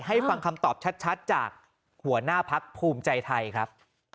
ฟังคำตอบชัดจากหัวหน้าพักภูมิใจไทยครับ